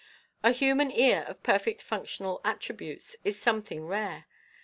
A human ear of perfect functional attributes is something rare.